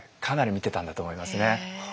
かなり見てたんだと思いますね。